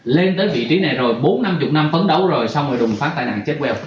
lên tới vị trí này rồi bốn năm mươi năm phấn đấu rồi xong rồi đùng phát tai nạn chết queo